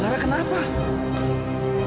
obat tampar lara